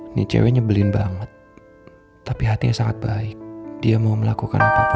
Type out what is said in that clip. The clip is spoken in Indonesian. ini cewek nyebelin banget tapi hatinya sangat baik dia mau melakukan apa apa